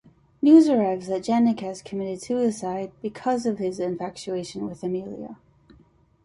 News arrives that Janek has committed suicide because of his infatuation with Emilia.